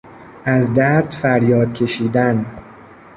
از درد فریاد کشیدن